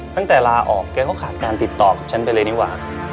ตั้งแต่ลาออกแกก็ขาดการติดต่อกับฉันไปเลยดีกว่า